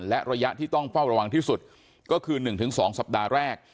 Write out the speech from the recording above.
และระยะที่ต้องเฝ้าระวังที่สุดก็คือ๑๒สัปดาห์แรก